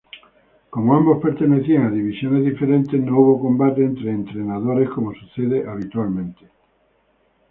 Como ambos pertenecían a divisiones diferentes, no hubo combate entre entrenadores como sucede habitualmente.